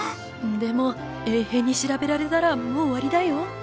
でも衛兵に調べられたらもう終わりだよ。